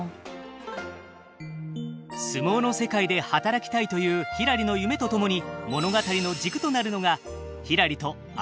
相撲の世界で働きたいというひらりの夢と共に物語の軸となるのがひらりと姉みのり安藤竜太